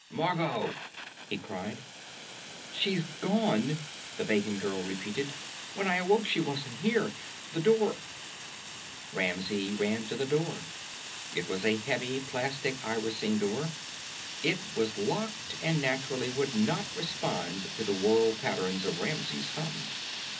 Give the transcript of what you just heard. "Margot!" he called. "She's gone," the Vegan girl repeated. "When I awoke she wasn't here. The door "Ramsey ran to the door. It was a heavy plastic irising door. It was locked and naturally would not respond to the whorl patterns of Ramsey's thumb.